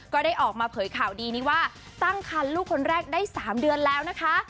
ก็ได้ออกมาเผยข่าวดีนี้ว่าตั้งคันลูกคนแรกได้๓เดือนแล้วนะคะ